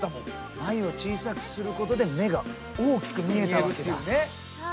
眉を小さくすることで目が大きく見えたわけだ。